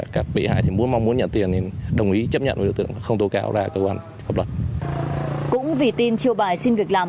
cũng vì tin triều bài xin việc làm